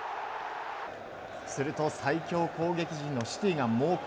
すると最強攻撃陣のシティが猛攻。